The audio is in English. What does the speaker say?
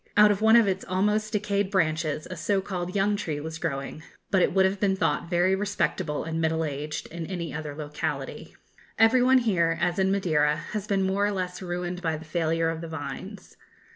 Out of one of its almost decayed branches a so called young tree was growing, but it would have been thought very respectable and middle aged in any other locality. Every one here, as in Madeira, has been more or less ruined by the failure of the vines.